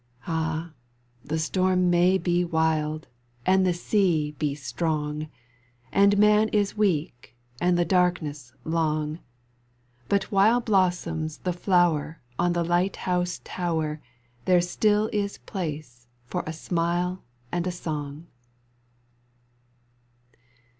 Ah, the storm may be wild and the sea be strong, And man is weak and the darkness long, But while blossoms the flower on the light house tower There still is place for a smile and a song.